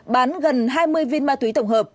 bán gần hai mươi viên ma túy tổng hợp